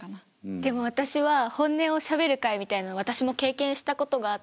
でも私は本音をしゃべる会みたいなの私も経験したことがあって。